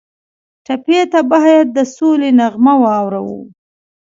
ټپي ته باید د سولې نغمه واورو.